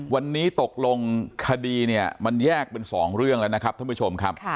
วันนี้ตกลงคดีเนี่ยมันแยกเป็น๒เรื่องแล้วนะครับท่านผู้ชมครับ